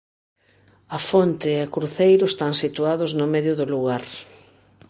A fonte e cruceiro están situados no medio do lugar.